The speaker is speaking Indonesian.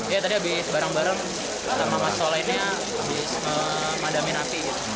ya tadi habis bareng bareng sama mas soalnya ini habis memadamin api